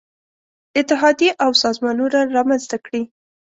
اتحادیې او سازمانونه رامنځته کړي.